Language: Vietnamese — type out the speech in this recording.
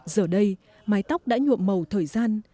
giờ đây mái tóc đã nhuộm màu thời gian